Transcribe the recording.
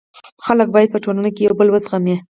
خلک باید په ټولنه کي یو بل و زغمي.